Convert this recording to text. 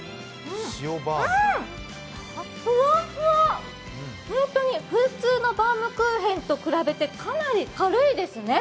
ふわふわ、本当に普通のバウムクーヘンと比べてかなり軽いですね。